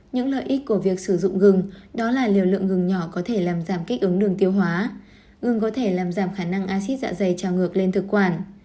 những lợi ích của việc sử dụng gừng đó là liều lượng gừng nhỏ có thể làm giảm kích ứng đường tiêu hóa gừng có thể làm giảm khả năng acid dạ dày trào ngược lên thực quản